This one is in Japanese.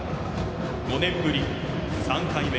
５年ぶり３回目。